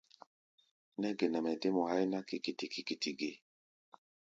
Nɛ́ ge nɛ mɛ dé mɔ háí ná kikiti-kikitiʼɛ ge?